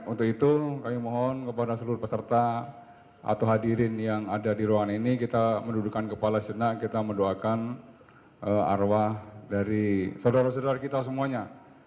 untuk itu kami mohon kepada seluruh peserta atau hadirin yang ada di ruangan ini kita mendudukan kepala senak kita mendoakan arwah dari saudara saudara kita semuanya